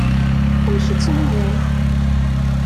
Amek i tt-nudan?